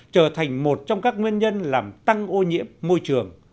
trở thành một trong các nguyên nhân làm tăng ô nhiễm môi trường